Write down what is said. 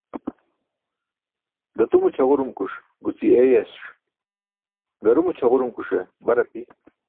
Datumo ćʰaġurumkuṣ guci eeyas, garumo ćʰaġurumkuṣe bar api.